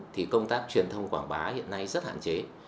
thì công tác truyền thông quảng bá hiện nay rất hạn chế